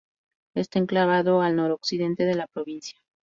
Está enclavado al noroccidente de la provincia.